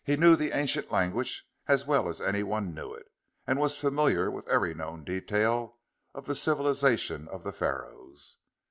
He knew the ancient language as well as anyone knew it, and was familiar with every known detail of the civilization of the Pharaohs.